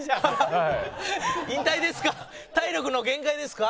引退ですか？